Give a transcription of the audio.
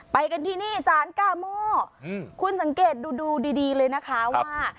ไปกันที่นี่สารกาโมอืมคุณสังเกตดูดูดีดีเลยนะคะครับ